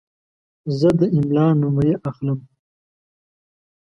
زه د املا نمرې اخلم.